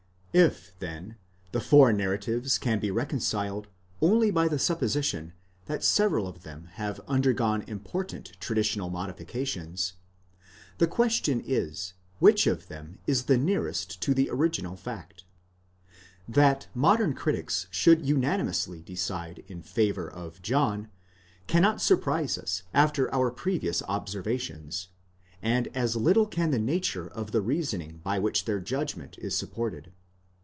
If, then, the four narratives can be reconciled only by the supposition that several of them have undergone important traditional modifications: the question is, which of them is the nearest to the original fact? That modern critics should unanimously decide in favour of John, cannot surprise us after our previous observations ; and as little can the nature of the reasoning by which their judgment is supported.